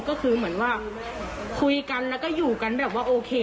ก็คือเหมือนว่าคุยกันแล้วก็อยู่กันแบบว่าโอเค